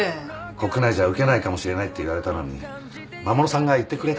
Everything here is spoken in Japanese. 国内じゃ受けないかもしれないって言われたのに衛さんが言ってくれたからですよ。